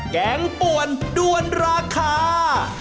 แกงป่วนด้วนราคา